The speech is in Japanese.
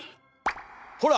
ほら！